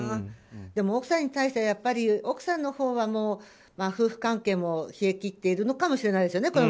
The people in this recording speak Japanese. でも、奥さんに対しては奥さんのほうは夫婦関係も冷え切っているのかもしれないですよね。